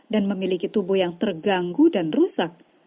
dan memiliki tubuh yang terganggu dan rusak